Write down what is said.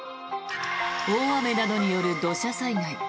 大雨などによる土砂災害